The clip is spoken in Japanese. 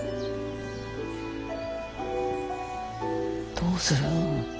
どうする？